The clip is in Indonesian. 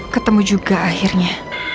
ketemu juga akhirnya